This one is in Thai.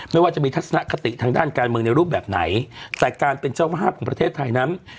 ไม่ว่าจะมีทัศนคติทางด้านการเมืองในรูปแบบไหนแต่การเป็นเจ้าภาพของประเทศไทยนั้น